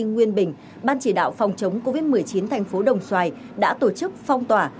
nguyên bình ban chỉ đạo phòng chống covid một mươi chín thành phố đồng xoài đã tổ chức phong tỏa